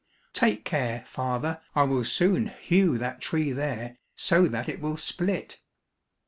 "Take care, father, I will soon hew that tree there, so that it will split."